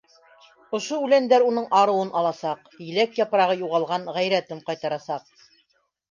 Ошо үләндәр уның арыуын аласаҡ, еләк япрағы юғалған ғәйрәтен ҡайтарасаҡ.